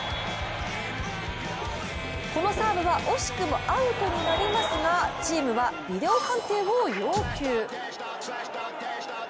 このサーブは惜しくもアウトになりますが、チームはビデオ判定を要求。